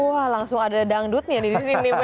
wah langsung ada dangdutnya nih di sini